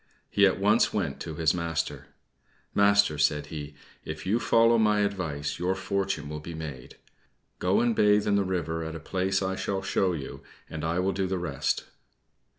He at once went to his master. "Master," said he, "if you follow my advice, your fortune will be made. Go and bathe in the river at a place I shall show you, and I will do the rest."